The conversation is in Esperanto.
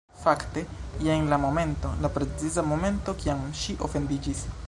Fakte, jen la momento... la preciza momento kiam ŝi ofendiĝis